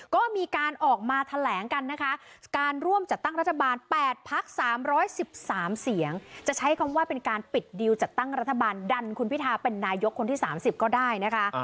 ก็มีการออกมาแถลงกันนะคะการร่วมจัดตั้งรัฐบาล๘พัก๓๑๓เสียงจะใช้คำว่าเป็นการปิดดิวจัดตั้งรัฐบาลดันคุณพิทาเป็นนายกคนที่๓๐ก็ได้นะคะ